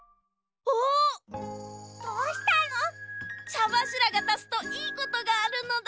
ちゃばしらがたつといいことがあるのだ。